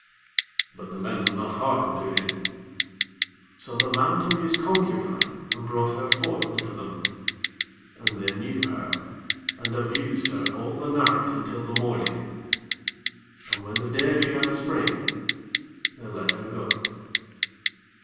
25 But the men would not hearken to him: so the man took his concubine, and brought her forth unto them; and they knew her, and abused her all the night until the morning: and when the day began to spring, they let her go.